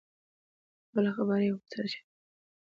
اوټوله خبره يې ورسره شريکه کړه .